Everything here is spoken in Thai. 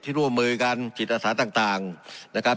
ร่วมมือกันจิตอาสาต่างนะครับ